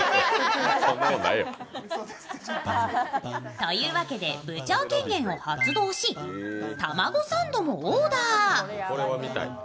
というわけで部長権限を発動したまごサンドをオーダー。